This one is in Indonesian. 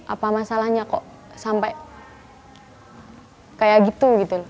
apa masalahnya kok sampai kayak gitu gitu loh